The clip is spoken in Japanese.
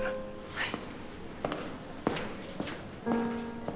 はい。